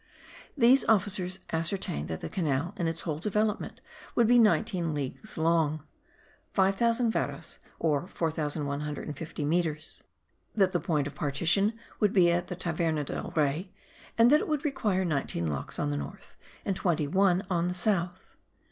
These officers ascertained that the canal in its whole development would be nineteen leagues long (5000 varas or 4150 metres), that the point of partition would be at the Taverna del Rey, and that it would require nineteen locks on the north, and twenty one on the south.